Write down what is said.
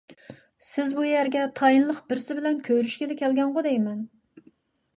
سىز بۇ يەرگە تايىنلىق بىرسى بىلەن كۆرۈشكىلى كەلگەنغۇ دەيمەن؟